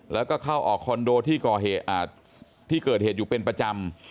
แล้วก็เข้าออกคอนโดที่เกิดเหตุอยู่เป็นประจำ